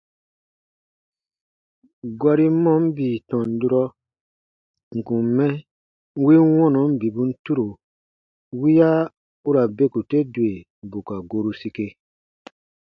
Gɔrin mɔɔn bii tɔn durɔ n kùn mɛ win wɔnɔn bibun turo wiya u ra beku te dwe bù ka goru sike.